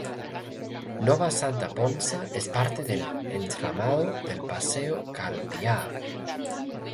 Nova Santa Ponsa es parte del entramado del Paseo Calviá.